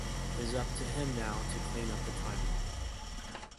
Its up to him now to clean up the timeline.